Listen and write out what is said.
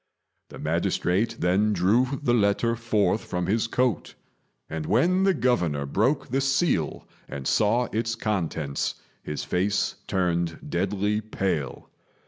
The magistrate then drew the letter forth from his coat; and when the Governor broke the seal and saw its contents, his face turned deadly pale.